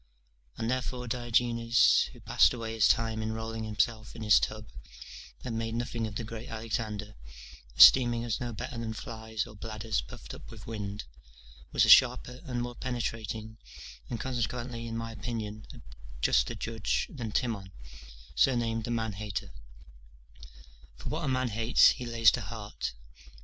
And therefore Diogenes, who passed away his time in rolling himself in his tub, and made nothing of the great Alexander, esteeming us no better than flies or bladders puffed up with wind, was a sharper and more penetrating, and, consequently in my opinion, a juster judge than Timon, surnamed the Man hater; for what a man hates he lays to heart.